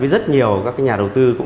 làm phen cho những bạn trẻ